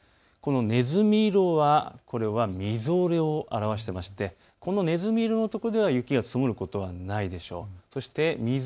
ねずみ色はみぞれを表していましてこのねずみ色の所では雪が積もることはないでしょう。